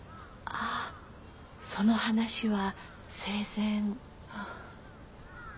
あっその話は生前。